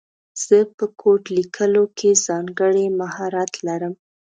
زه په کوډ لیکلو کې ځانګړی مهارت لرم